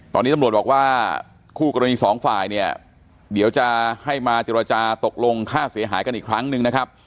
ตอนนี้ตำรวจบอกว่าคู่กรณีสองฝ่ายเนี่ยเดี๋ยวจะให้มาเจรจาตกลงค่าเสียหายกันอีกครั้งหนึ่งนะครับ